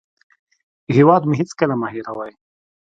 هېواد مو هېڅکله مه هېروئ